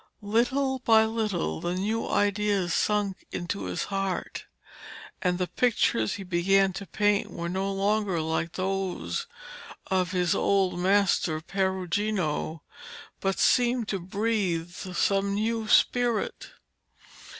Little by little the new ideas sunk into his heart, and the pictures he began to paint were no longer like those of his old master Perugino, but seemed to breathe some new spirit.